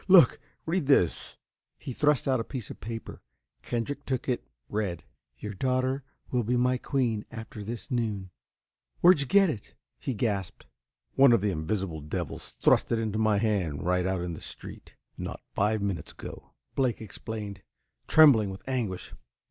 Look! Read this!" He thrust out a piece of paper. Kendrick took it, read: Your daughter will be my queen, after this noon. "Where'd you get it?" he gasped. "One of the invisible devils thrust it into my hand right out in the street, not five minutes ago," Blake explained, trembling with anguish.